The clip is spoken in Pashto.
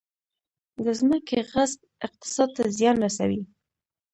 د ځمکې غصب اقتصاد ته زیان رسوي